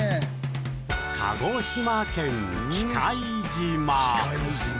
鹿児島県・喜界島。